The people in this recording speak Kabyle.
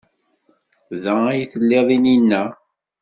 Da ay tellid llinna?